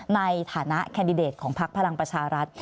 ในฐานะแคนดิเดตของพักพลังประชารัฐ